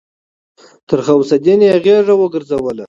تر غوث الدين يې غېږه وګرځوله.